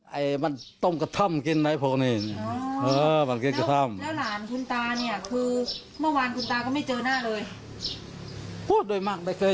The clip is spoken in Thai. ไอ้มันต้มกระท่อมกินไหนพวกนี้แล้วหลานคุณตาเนี่ยคือ